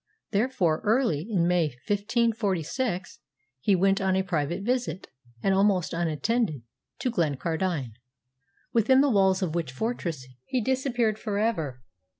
Therefore, early in May, 1546, he went on a private visit, and almost unattended, to Glencardine, within the walls of which fortress he disappeared for ever.